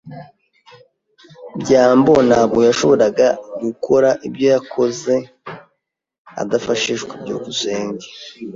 byambo ntabwo yashoboraga gukora ibyo yakoze adafashijwe. byukusenge